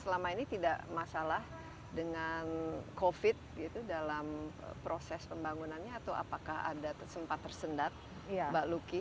selama ini tidak masalah dengan covid gitu dalam proses pembangunannya atau apakah ada sempat tersendat mbak lucky